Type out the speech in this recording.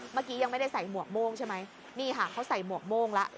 เมื่อกี้ยังไม่ได้ใส่หมวกโม่งใช่ไหมนี่ค่ะเขาใส่หมวกโม่งแล้ว